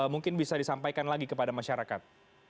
mungkin bisa disampaikan lagi kepada masyarakat